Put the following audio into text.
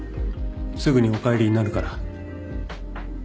すぐにお帰りになるから。